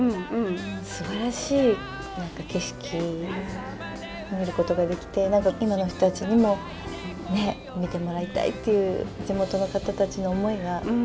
すばらしい何か景色を見ることができて今の人たちにも見てもらいたいっていう地元の方たちの思いが。